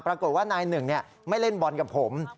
ปรากฏว่านายหนึ่งไม่เล่นบอลกับผม